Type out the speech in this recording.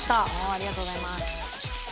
「ありがとうございます」